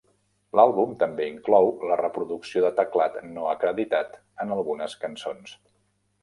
L'àlbum també inclou la reproducció de teclat no acreditat en algunes cançons.